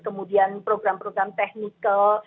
kemudian program program teknikal